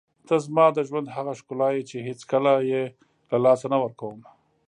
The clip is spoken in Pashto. ته زما د ژوند هغه ښکلا یې چې هېڅکله یې له لاسه نه ورکوم.